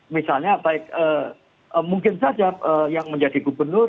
misalnya baik mungkin saja yang menjadi gubernur